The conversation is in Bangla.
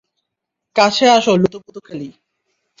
কাছে আসো লুতুপুতু খেলি।